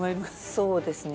そうですね。